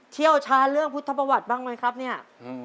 เชี่ยวชาญเรื่องพุทธประวัติบ้างไหมครับเนี่ย